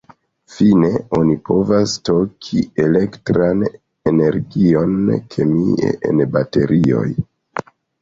Fine, oni povas stoki elektran energion kemie en baterioj.